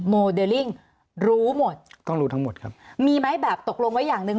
โมเดลลิ่งรู้หมดต้องรู้ทั้งหมดครับมีไหมแบบตกลงไว้อย่างหนึ่ง